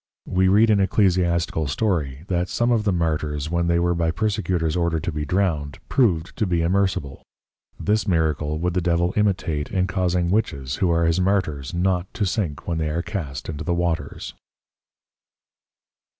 We read in Ecclesiastical Story, that some of the Martyrs when they were by Persecutors ordered to be drowned, prov'd to be immersible: This Miracle would the Devil imitate in causing Witches, who are his Martyrs, not to sink when they are cast into the Waters.